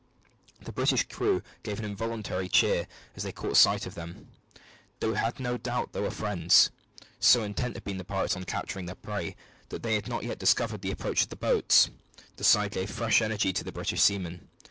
The British crew gave an involuntary cheer as they caught sight of them. They had no doubt they were friends. So intent had been the pirates on capturing their prey that they had not yet discovered the approach of the boats. The sight gave fresh energy to the British seamen.